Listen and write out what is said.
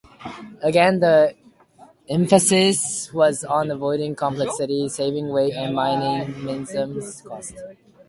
Again, the emphasis was on avoiding complexity, saving weight and minimising cost.